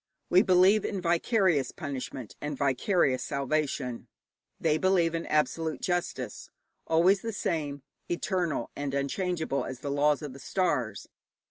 We believe in vicarious punishment and vicarious salvation; they believe in absolute justice always the same, eternal and unchangeable as the laws of the stars.